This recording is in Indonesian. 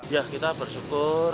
ya kita bersyukur